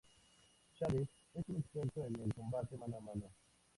Shades es un experto en el combate mano a mano.